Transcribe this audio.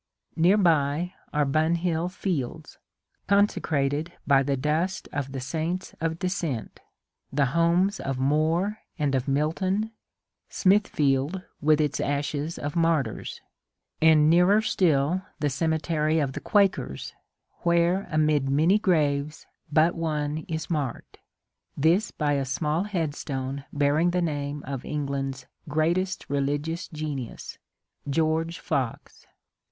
Near by are Bunhill Fields, conse crated by the dust of the saints of dissent, the homes of More and of Milton, Smithfield with its ashes of martyrs; and nearer still the cemetery of the Quakers, where amid many graves but one is marked, — this by a small headstone bear ing the name of England's greatest religious genius, George Fox.